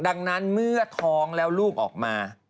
ดังนั้นเมื่อท้องแล้วลูกออกมา